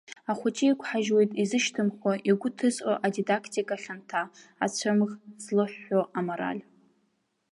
Ахәыҷы иқәҳажьуеит изышьҭымхуа, игәы ҭызҟьо адидактика хьанҭа, аҵәымӷ злыҳәҳәо амораль.